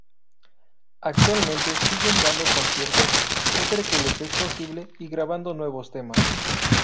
Actualmente siguen dando conciertos siempre que les es posible y grabando nuevos temas.